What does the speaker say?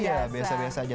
iya biasa biasa aja